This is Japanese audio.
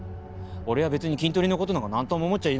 俺は別にキントリの事なんかなんとも思っちゃいねえ。